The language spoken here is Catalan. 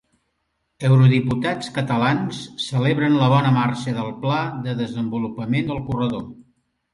Eurodiputats catalans celebren la bona marxa del pla de desenvolupament del Corredor